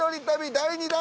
第２弾！